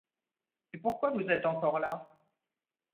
Mais pourquoi vous êtes encore là.